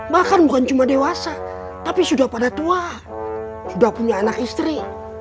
bahkan bukan cuma dewasa tapi sudah pada tua sudah punya anak istri